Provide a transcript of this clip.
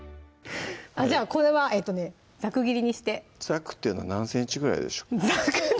じゃあこれはざく切りにして「ざく」っていうのは何ｃｍぐらいでしょう？